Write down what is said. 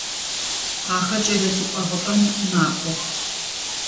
Ахэр кӏэлэцӏыкӏу ӏыгъыпӏэм макӏох.